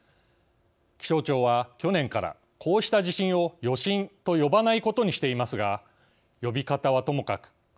気象庁は去年からこうした地震を余震と呼ばないことにしていますが呼び方はともかく